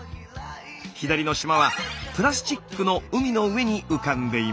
左の島はプラスチックの海の上に浮かんでいます。